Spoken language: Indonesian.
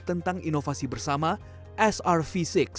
tentang inovasi bersama srv enam